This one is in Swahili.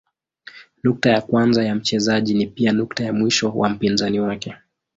Nukta ya kwanza ya mchezaji ni pia nukta ya mwisho wa mpinzani wake.